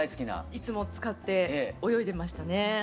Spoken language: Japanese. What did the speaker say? いつも使って泳いでましたね。